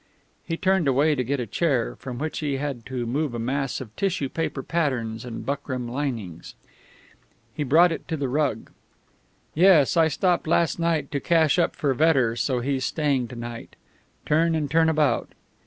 He turned away to get a chair, from which he had to move a mass of tissue paper patterns and buckram linings. He brought it to the rug. "Yes. I stopped last night late to cash up for Vedder, so he's staying to night. Turn and turn about.